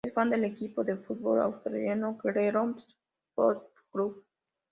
Es fan del equipo de fútbol australiano, Geelong Football Club.